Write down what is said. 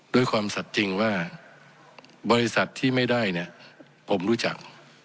ด้วยความสัดจริงว่าบริษัทที่ไม่ได้เนี่ยผมรู้จัก